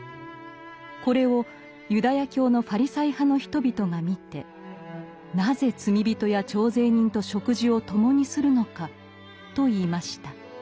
これをユダヤ教のファリサイ派の人々が見て「なぜ罪人や徴税人と食事を共にするのか」と言いました。